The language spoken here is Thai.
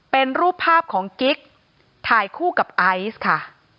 เป็นรูปภาพของกิ๊กถ่ายคู่กับไอซ์ค่ะ